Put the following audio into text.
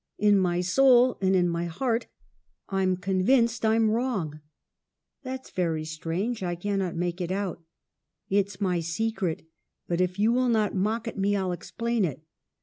In my soul and in my heart I'm convinced I'm wrong.' "' That's very strange. I cannot make it out.' "' It's my secret. But if you will not mock at me, I'll explain it.